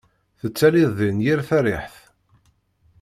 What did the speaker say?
Tettalid din yir tariḥt.